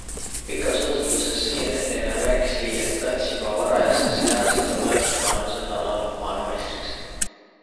Pikas usutluses CNNile rääkis Lee, et ta tahtis juba varajases eas tulla kõnealusel alal maailmameistriks.